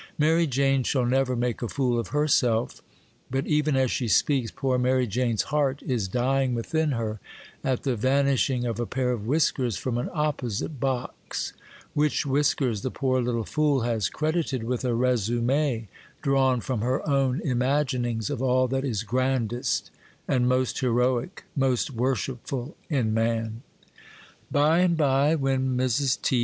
'Mary Jane shall never make a fool of herself;' but, even as she speaks, poor Mary Jane's heart is dying within her at the vanishing of a pair of whiskers from an opposite box, which whiskers the poor little fool has credited with a résumé drawn from her own imaginings of all that is grandest and most heroic, most worshipful in man. By and by, when Mrs. T.